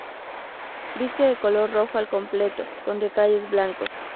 Viste de color rojo al completo, con detalles blancos.